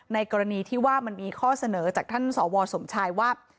กรณีที่ว่ามันมีข้อเสนอจากท่านสวสมชายว่า